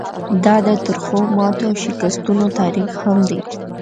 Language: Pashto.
دا د ترخو ماتو او شکستونو تاریخ هم دی.